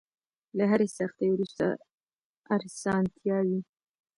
له هرې سختۍ وروسته ارسانتيا وي.